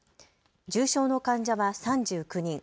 重症の患者は３９人。